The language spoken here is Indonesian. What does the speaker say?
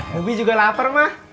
tapi juga lapar ma